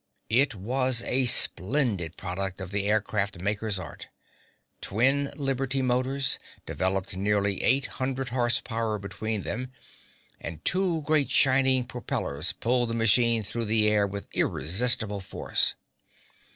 It was a splendid product of the aircraft maker's art. Twin Liberty Motors developed nearly eight hundred horse power between them, and two great shining propellers pulled the machine through the air with irresistible force.